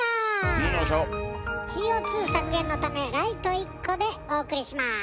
ＣＯ削減のためライト１個でお送りします。